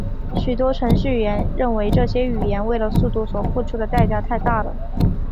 许多程序员认为这些语言为了速度所付出的代价太大了。